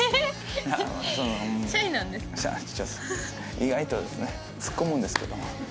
意外とツッコむんですけども。